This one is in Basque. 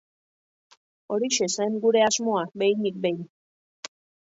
Horixe zen gure asmoa, behinik behin.